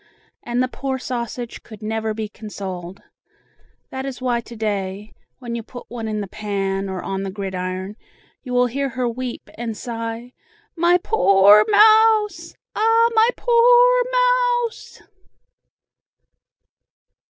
And the poor sausage could never be consoled! That is why to day, when you put one in the pan or on the gridiron, you will hear her weep and sigh, "M my p poor m mouse! Ah, m my p poor m mouse!"